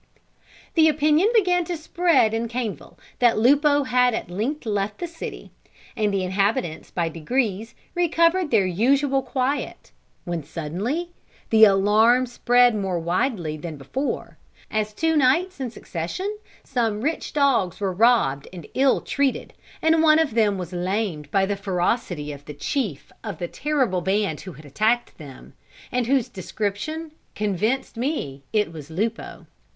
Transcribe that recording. The opinion began to spread in Caneville that Lupo had at length left the city, and the inhabitants, by degrees, recovered their usual quiet; when, suddenly, the alarm spread more widely than before; as, two nights in succession, some rich dogs were robbed and ill treated, and one of them was lamed by the ferocity of the chief of the terrible band who had attacked them, and whose description convinced me it was Lupo.